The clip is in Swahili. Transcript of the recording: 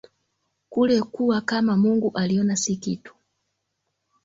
Kule kuwa kama Mungu uliona si kitu.